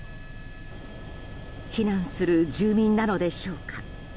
避難する住民なのでしょうか。